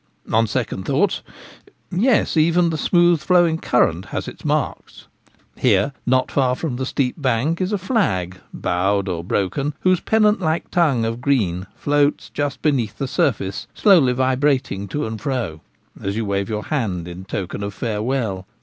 On second thoughts, yes — even the smooth flowing current has its marks. Here, not far from the steep bank, is a flag, bowed or broken, whose pennant like tongue of green floats just beneath the surface, slowly vibrating to and fro, as you wave your hand in token of farewell.